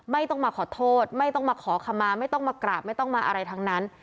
ไม่ต้องมาขอโทษไม่ต้องมาขอคำมาไม่ต้องมากราบไม่ต้องมาอะไรทั้งนั้น